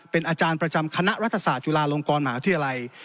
เป็นอาจารย์ประจำคณะรัฐศาสตร์จุฬาลงกรมหาวิทยาลัย